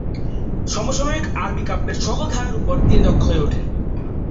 সমসাময়িক আরবি কাব্যের সকল ধারার উপর তিনি দক্ষ হয়ে উঠেন।